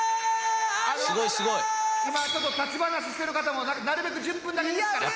今ちょっと立ち話してる方もなるべく１０分だけですから。